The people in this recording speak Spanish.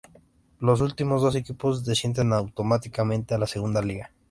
Los últimos dos equipos descienden automáticamente a la Segunda Liga.